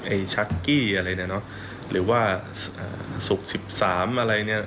ชักกี้อะไรเนี่ยเนอะหรือว่าศุกร์๑๓อะไรเนี่ย